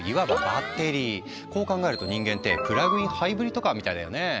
こう考えると人間ってプラグインハイブリッドカーみたいだよねえ。